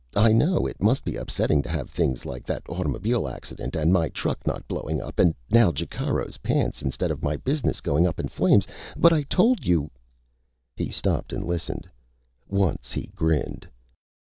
I know it must be upsetting to have things like that automobile accident and my truck not blowing up and now Jacaro's pants instead of my business going up in flames. But I told you " He stopped and listened. Once he grinned.